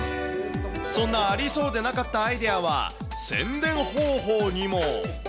そんなありそうでなかったアイデアは、宣伝方法にも。